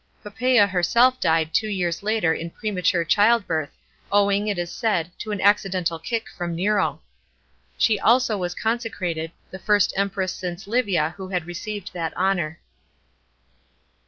Poppaea herseli died two yea' s later in premature child birth, owing, it is said, to an accidental kick from Nero. She also was consecrated, the first Empress since Livia who had received that honour.